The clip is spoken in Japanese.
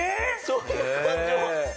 そういう感じは。